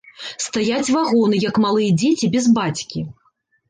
Стаяць вагоны, як малыя дзеці без бацькі.